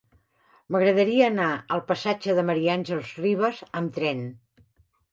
M'agradaria anar al passatge de Ma. Àngels Rivas amb tren.